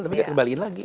tapi kita kembaliin lagi